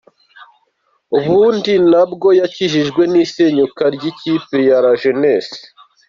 Ubundi na bwo yakijijwe n’isenyuka ry’ikipe ya La Jeunesse.